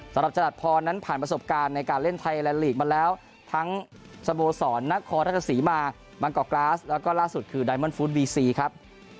สำหรับจรัสพรนั้นผ่านประสบการณ์ในการเล่นไทยแลนดลีกมาแล้วทั้งสโมสรนครราชสีมาบางกอกกราสแล้วก็ล่าสุดคือไดมอนฟู้ดบีซีครับ